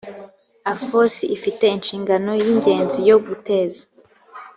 afos ifite inshingano y ingenzi yo guteza